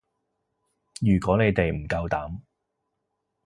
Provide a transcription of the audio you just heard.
如果你哋唔夠膽